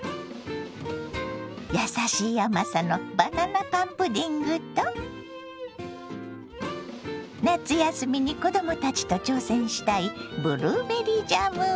やさしい甘さのバナナパンプディングと夏休みに子供たちと挑戦したいブルーベリージャムはいかが。